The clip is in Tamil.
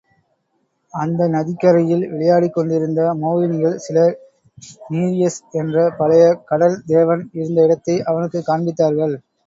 அந்த நதிக்கரையில் விளையாடிக்கொண்டிருந்த மோகினிகள் சிலர் நீரியஸ் என்ற பழைய கடல் தேவன் இருந்த இடத்தை அவனுக்குக் காண்பித்தார்கள்.